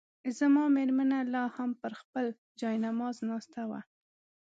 زما مېرمنه لا هم پر خپل جاینماز ناسته وه.